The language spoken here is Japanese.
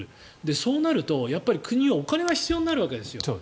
そうなると、国はお金が必要になるわけですよ。